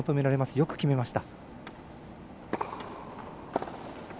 よく決めました。